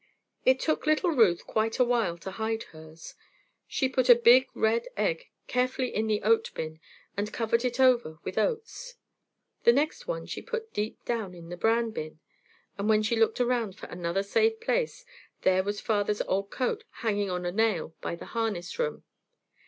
It took little Ruth quite a while to hide hers. She put a big red egg carefully in the oat bin and covered it over with oats. The next one she put deep down in the bran bin, and then she looked around for another safe place. There was father's old coat hanging on a nail by the harness room.